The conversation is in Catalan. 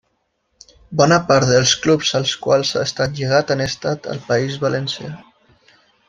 Bona part dels clubs als quals ha estat lligat han estat del País Valencià.